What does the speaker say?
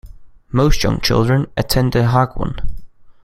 Most young children attend a hagwon.